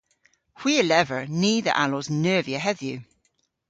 Hwi a lever ni dhe allos neuvya hedhyw.